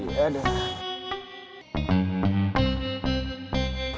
udah lah ini tuh